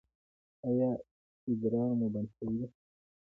ایا ادرار مو بند شوی دی؟